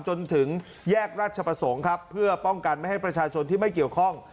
จนถึงแยกราชประสงค์ครับเพื่อป้องกันไม่ให้ประชาชนที่ไม่เกี่ยวข้อง